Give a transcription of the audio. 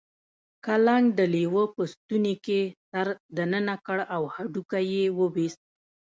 کلنګ د لیوه په ستوني کې سر دننه کړ او هډوکی یې وویست.